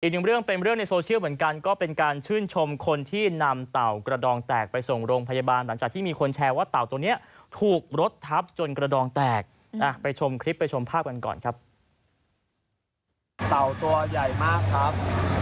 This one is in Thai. เรื่องเป็นเรื่องในโซเชียลเหมือนกันก็เป็นการชื่นชมคนที่นำเต่ากระดองแตกไปส่งโรงพยาบาลหลังจากที่มีคนแชร์ว่าเต่าตัวเนี้ยถูกรถทับจนกระดองแตกไปชมคลิปไปชมภาพกันก่อนครับเต่าตัวใหญ่มากครับ